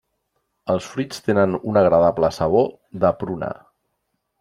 Els fruits tenen un agradable sabor de pruna.